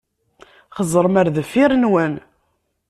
Xeẓẓṛem ar deffir-nwen.